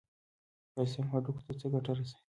کلسیم هډوکو ته څه ګټه رسوي؟